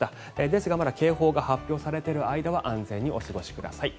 ですがまだ警報が発表されている間は安全にお過ごしください。